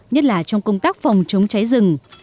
nhất là trong công tác phòng chống cháy rừng